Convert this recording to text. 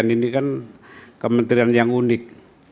ini kan kementerian yang unik